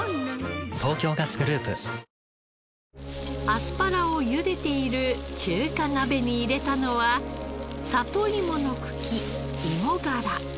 アスパラをゆでている中華鍋に入れたのは里芋の茎芋がら。